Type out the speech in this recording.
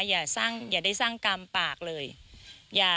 อย่าได้สร้างกรรมปากเลย